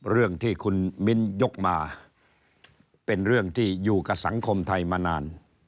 เรื่องที่คุณมิ้นยกมาเป็นเรื่องที่อยู่กับสังคมไทยมานาน